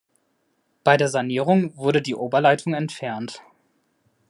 Bei der Sanierung wurde die Oberleitung entfernt.